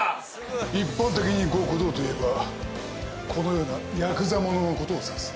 一般的に「ごくどう」と言えばこのようなヤクザ者のことを指す。